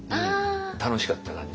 楽しかった感じ。